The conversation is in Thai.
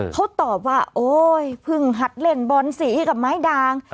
เขาตอบว่าโอ๊ยเพิ่งหัดเล่นบอลสีกับไม้ด่าง